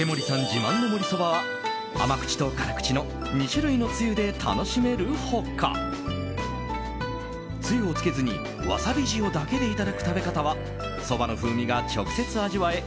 自慢のもりそばは甘口と辛口の２種類のつゆで楽しめる他つゆをつけずにわさび塩だけでいただく食べ方はそばの風味が直接味わえ